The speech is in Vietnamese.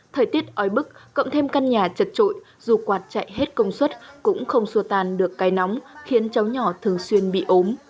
thời tiết ói bức cộng thêm căn nhà chật trội dù quạt chạy hết công suất cũng không xua tàn được cái nóng khiến cháu nhỏ thường xuyên bị ốm